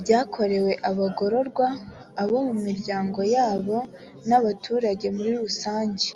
byakorewe abagororwa, abo mu miryango yabo n’abaturage muri rusange